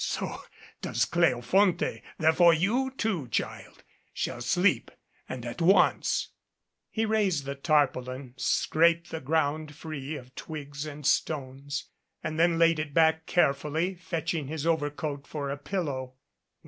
So does Cleofonte. Therefore, you, too, child, shall sleep and at once." He raised the tarpaulin, scraped the ground free of twigs and stones, and then laid it back carefully, fetch ing his overcoat for a pillow.